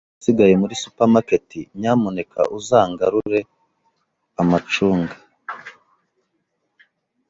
Niba ugiye muri supermarket, nyamuneka uzangarure amacunga?